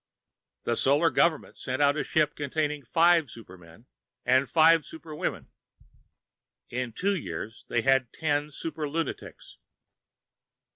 The Solar Government sent out a ship containing five supermen and five superwomen. In two years, they had ten super lunatics.